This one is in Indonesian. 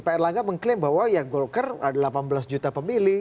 pak erlangga mengklaim bahwa yang golkar ada delapan belas juta pemilih